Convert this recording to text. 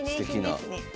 すてきな。